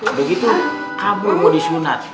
udah begitu kabur mau disunat